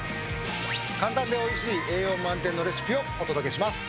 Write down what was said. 簡単でおいしい栄養満点のレシピをお届けします。